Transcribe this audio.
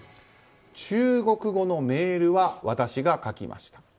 中国語のメールは私が書きました。